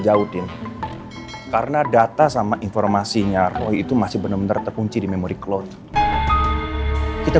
jauhin karena data sama informasinya roy itu masih bener bener terkunci di memori cloud kita